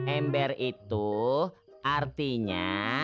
ember itu artinya